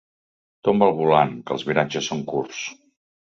Tomba el volant, que els viratges són curts.